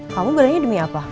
kamu beraninya demi apa